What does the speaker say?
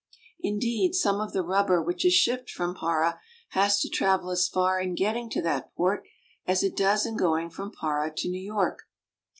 Indeed, some of the rubber which is shipped from Para has to travel as far in getting to that port as it does in going from Para to New York.